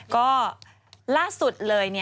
ก็ล่าสุดเลย